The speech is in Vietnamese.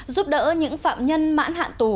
giúp đỡ những phạm nhân mãn hạn tù